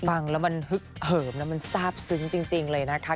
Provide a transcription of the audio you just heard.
ฟังแล้วมันฮึกเหิมแล้วมันทราบซึ้งจริงเลยนะคะ